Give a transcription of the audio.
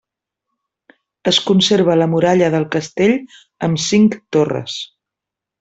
Es conserva la muralla del castell amb cinc torres.